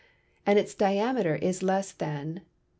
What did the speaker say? and its diameter is less than 0.